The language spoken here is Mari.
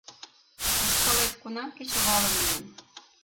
Ушкалет кунам кечывалым лийын?